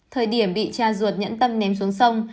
thời điểm bị cha ruột nhẫn tâm ném xuống sông